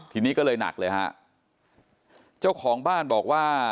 ทีนี้ก็เลยหนักเลยฮะเจ้าของบ้านบอกว่า